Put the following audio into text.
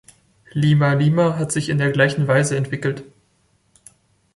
Lima Lima hat sich in der gleichen Weise entwickelt.